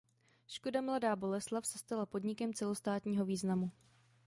Škoda Mladá Boleslav se stala podnikem celostátního významu.